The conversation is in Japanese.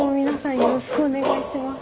よろしくお願いします。